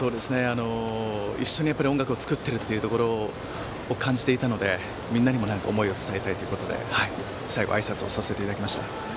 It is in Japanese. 一緒に音楽を作っているというのを感じていたので、みんなにも思いを伝えたいということで歌わせていただきました。